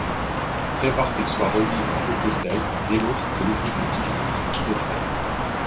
Prévoir qu’il soit remis au Haut Conseil démontre que l’exécutif est schizophrène